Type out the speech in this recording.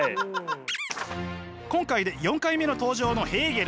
今回で４回目の登場のヘーゲル。